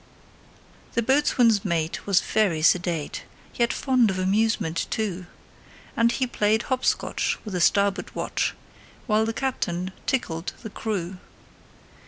The boatswain's mate was very sedate, Yet fond of amusement, too; And he played hop scotch with the starboard watch, While the captain tickled the crew.